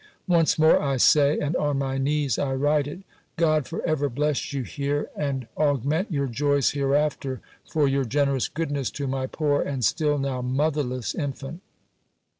Once more I say, and on my knees I write it, God for ever bless you here, and augment your joys hereafter, for your generous goodness to my poor, and, till now, motherless infant.